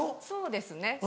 そうですね